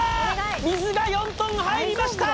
水が４ｔ入りました